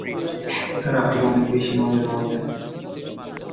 রাতে অনেক বেশি মজা পাওয়া যায়।